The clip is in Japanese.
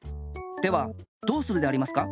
ではどうするでありますか？